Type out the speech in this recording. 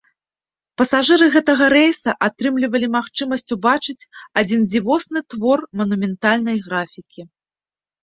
Пасажыры гэтага рэйса атрымлівалі магчымасць убачыць адзін дзівосны твор манументальнай графікі.